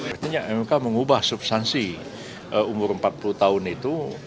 artinya mk mengubah substansi umur empat puluh tahun itu